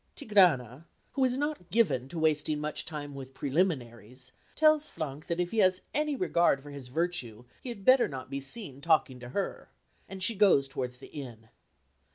Tigrana, who is not given to wasting much time with preliminaries, tells Frank that if he has any regard for his virtue he had better not be seen talking to her; and she goes towards the inn.